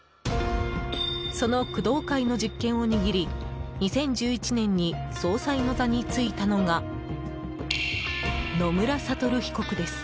その工藤会の実権を握り２０１１年に総裁の座に就いたのが野村悟被告です。